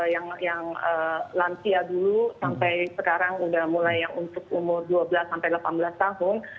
yang lansia dulu sampai sekarang udah mulai yang untuk umur dua belas sampai delapan belas tahun